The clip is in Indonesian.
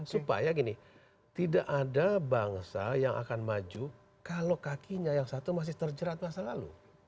supaya gini tidak ada bangsa yang akan maju kalau kakinya yang satu masih terjerat masa lalu